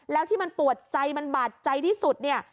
แล้วที่มันปวดใจมันบาดใจที่สุดเนี่ย